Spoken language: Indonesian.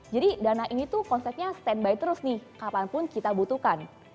jadi dana ini tuh konsepnya standby terus nih kapanpun kita butuhkan